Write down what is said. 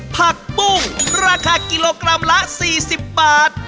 ผักปุ้งราคากิโลกรัมละ๔๐บาท